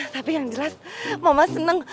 tapi yang jelas mama senang